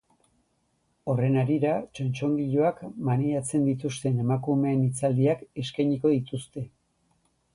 Horren harira, txontxongiloak maneiatzen dituzten emakumeen hitzaldiak eskainiko dituzte.